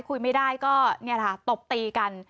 คุยไม่ได้ก็ตบตีกัน